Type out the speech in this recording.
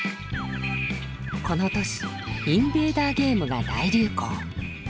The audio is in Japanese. この年インベーダーゲームが大流行。